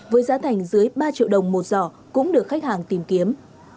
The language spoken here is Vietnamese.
với giá thành dưới ba triệu đồng một giỏ cũng được khách hàng tìm kiếm